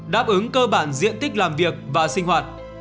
đáp ứng cơ bản diện tích làm việc và sinh hoạt